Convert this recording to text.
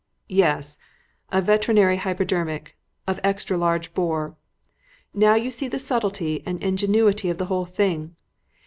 "Yes. A veterinary hypodermic, of extra large bore. Now you see the subtlety and ingenuity of the whole thing.